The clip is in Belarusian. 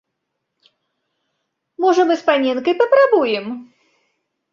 Можа, мы з паненкай папрабуем?